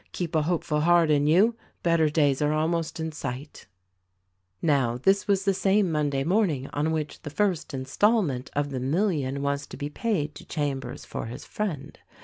Keep a hopeful heart in you. Better days are almost in sight." THE RECORDING ANGEL 175 Now this was the same Monday morning on which the first installment of the million was to be paid to Chambers for his friend.